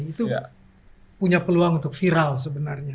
itu punya peluang untuk viral sebenarnya